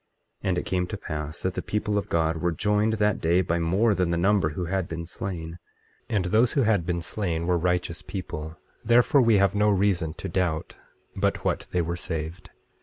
24:26 And it came to pass that the people of God were joined that day by more than the number who had been slain; and those who had been slain were righteous people, therefore we have no reason to doubt but what they were saved.